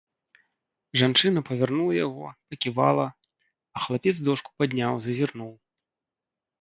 Жанчына павярнула яго, паківала, а хлапец дошку падняў, зазірнуў.